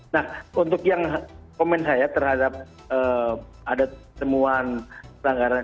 nah untuk yang komen saya terhadap ada temuan pelanggaran